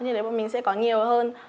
thế nên bọn mình sẽ có nhiều hơn